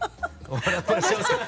笑ってらっしゃいますけど。